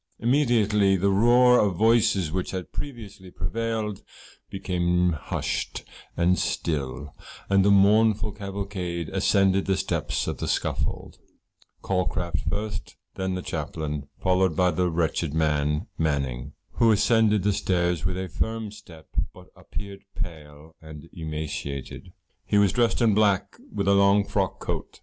Immediately the roar of voices which had previously prevailed became hushed and still, and the mournful cavalcade ascended the steps of the scaffold, Calcraft first, then the Chaplain, followed by the wretched man Manning, who ascended the stairs with a firm step, but appeared pale and emaciated. He was dressed in deep black, with a long frock coat.